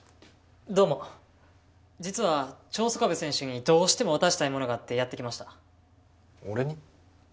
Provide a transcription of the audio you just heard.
どうも実は長曽我部選手にどうしても渡したいものがあってやって来ました俺に？